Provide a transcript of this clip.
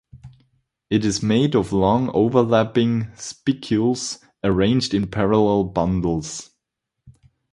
It is made of long overlapping spicules arranged in parallel bundles.